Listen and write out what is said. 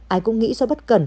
ai cũng nghĩ do bất cần